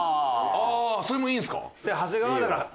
ああそれもいいんですか？